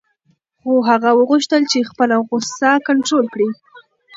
خو هغه وغوښتل چې خپله غوسه کنټرول کړي.